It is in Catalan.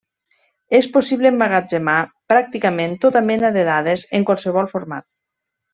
És possible emmagatzemar pràcticament tota mena de dades en qualsevol format.